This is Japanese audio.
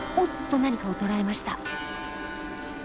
何かを捕らえました。